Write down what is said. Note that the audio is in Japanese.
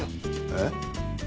えっ？